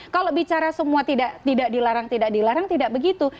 kalau bicara semua tidak dilarang tidak dilarang tidak begitu